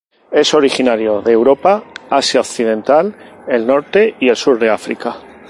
Es originario de Europa, Asia occidental, el norte y el sur de África.